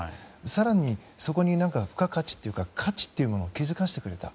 更にそこに付加価値というか価値を気づかせてくれた。